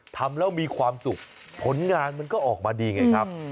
ทำแล้วมีความสุขผลงานมันก็ออกมาดีไงครับ